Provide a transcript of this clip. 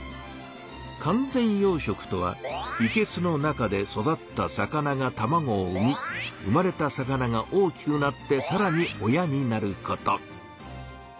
「完全養しょく」とはいけすの中で育った魚がたまごを産み生まれた魚が大きくなってさらに親になること。